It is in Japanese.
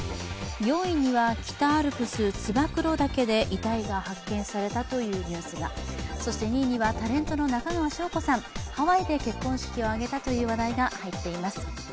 ４位には北アルプス燕岳で遺体が発見されたというニュースが、そして２位には、タレントの中川翔子さん、ハワイで結婚式を挙げたという話題が入っています。